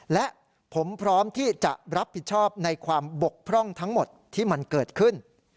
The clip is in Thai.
และผมพร้อมที่จะรับผิดชอบในความบกพร่องทั้งหมดที่มันเกิดขึ้น